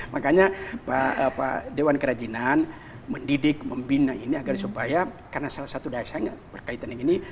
makanya dewan kerajinan mendidik membina ini agar supaya karena salah satu dasarnya berkaitan dengan ini